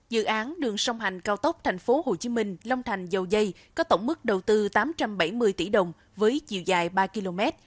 dự án đường sông hành cao tốc tp hcm long thành dầu dây có tổng mức đầu tư tám trăm bảy mươi tỷ đồng với chiều dài ba km